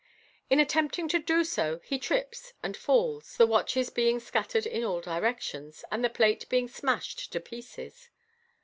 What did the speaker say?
In attempting to do so he trips and falls, the watches being scattered in all directions, and the plate being smashed to pieces.